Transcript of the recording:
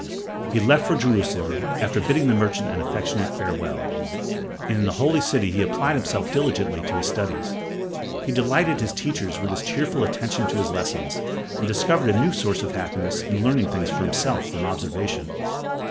He left for Jerusalem, after bidding the merchant an affectionate farewell, and in the Holy City he applied himself diligently to his studies. He delighted his teachers with his cheerful attention to his lessons, and discovered a new source of happiness in learning things for himself from observation.